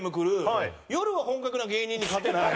夜は本格的な芸人に勝てない。